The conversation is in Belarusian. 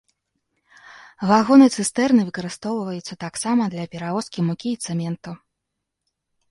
Вагоны-цыстэрны выкарыстоўваюцца таксама для перавозкі мукі і цэменту.